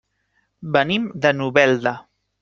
Venim de Novelda.